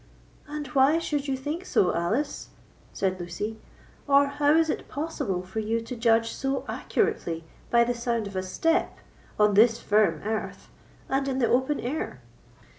"And why should you think so, Alice?" said Lucy; "or how is it possible for you to judge so accurately by the sound of a step, on this firm earth, and in the open air?"